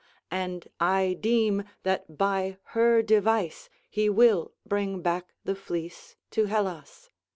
And I deem that by her device he will bring back the fleece to Hellas."